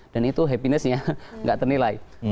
dan itu happinessnya tidak ternilai